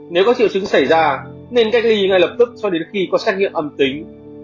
nếu có triệu chứng xảy ra nên cách ly ngay lập tức cho đến khi có xét nghiệm âm tính